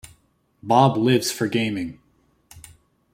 Bob lives for gaming.